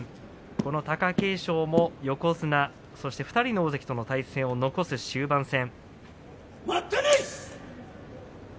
この貴景勝のも横綱そして２人の大関との対戦も残す終盤戦。